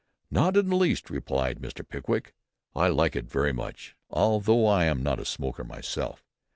"Not in the least," replied Mr. Pickwick, "I like it very much, although I am no smoker myself."